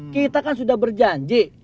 kita kan sudah berjanji